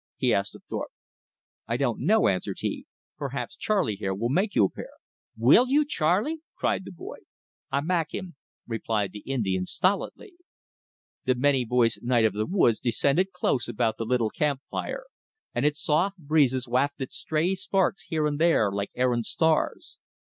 he asked of Thorpe. "I don't know," answered he, "perhaps Charley here will make you a pair." "WILL you, Charley?" cried the boy. "I mak' him," replied the Indian stolidly. The many voiced night of the woods descended close about the little camp fire, and its soft breezes wafted stray sparks here and there like errant stars.